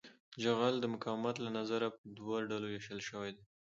جغل د مقاومت له نظره په دوه ډلو ویشل شوی دی